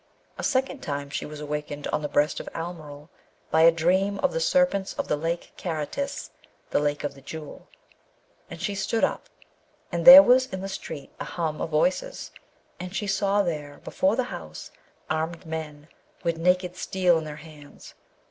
A second time she was awakened on the breast of Almeryl by a dream of the Serpents of the Lake Karatis the lake of the Jewel; and she stood up, and there was in the street a hum of voices, and she saw there before the house armed men with naked steel in their hands.